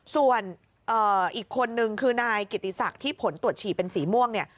ส่วนอีกคนนึงคือนายกิติศักดิ์ที่ผลตรวจฉี่เป็นสีม่วงเนี่ย